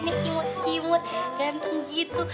imut imut ganteng gitu